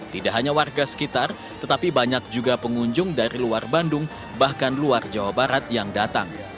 tidak hanya warga sekitar tetapi banyak juga pengunjung dari luar bandung bahkan luar jawa barat yang datang